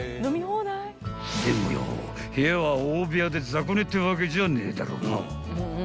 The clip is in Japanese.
［でもよ部屋は大部屋で雑魚寝ってわけじゃねえだろうな？］